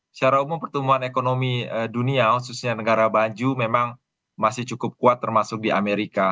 secara umum pertumbuhan ekonomi dunia khususnya negara baju memang masih cukup kuat termasuk di amerika